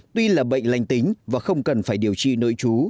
tuy là bệnh lành tính và không cần phải điều trị nội chú